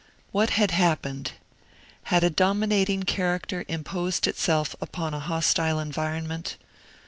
What had happened? Had a dominating character imposed itself upon a hostile environment?